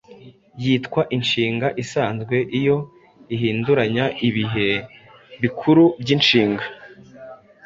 Yitwa inshinga isanzwe iyo ihinduranya ibihe bikuru by’inshinga